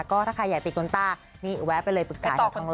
ก็ถ้าใครอยากติดขนตานี่แวะไปเลยปรึกษาทางหล่อ